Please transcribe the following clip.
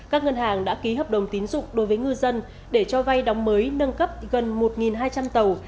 các ngân hàng đã ký hợp đồng tín dụng đối với ngư dân để cho vay đóng mới nâng cấp gần một hai trăm linh tàu